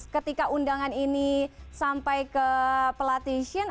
ketika undangan ini sampai ke pelatih shin